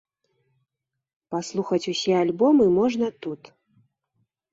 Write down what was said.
Паслухаць усе альбомы можна тут.